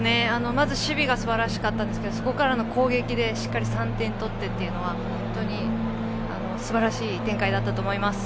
まず守備がすばらしかったですがそこからの攻撃でしっかり３点取ってというのは本当にすばらしい展開だったと思います。